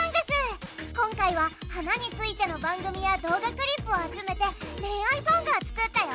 今回は花についての番組や動画クリップを集めて恋愛ソングを作ったよ。